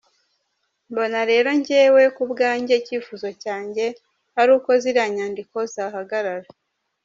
Mbona rero njyewe ku bwanjye icyifuzo cyanjye ari uko ziriya nyandiko zahagarara.